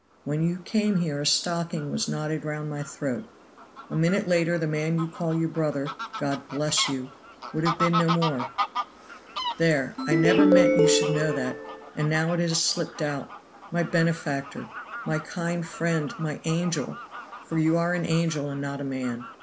When you came here a stocking was knotted round my throat; a minute later the man you call your brother God bless you would have been no more. There, I never meant you should know that, and now it has slipped out. My benefactor! my kind friend! my angel! for you are an angel and not a man.